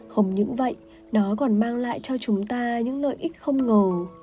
không những vậy nó còn mang lại cho chúng ta những lợi ích không ngầu